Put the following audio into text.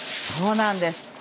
そうなんです。